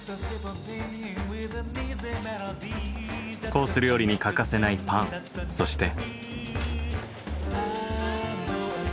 コース料理に欠かせないパンそして。